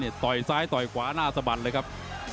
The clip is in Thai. เดินเข้าเฮ้ยต่อยซ้ายต่อยขวาหน้าสะบัดเลยครับ